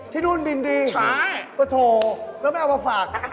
ที่นู่นดินดีก็โถแล้วไม่เอาประภาค